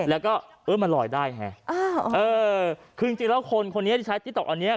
แล้วก็เออมันลอยได้ฮะเออคือจริงแล้วคนคนนี้ที่ใช้ติ๊กต๊อเนี้ย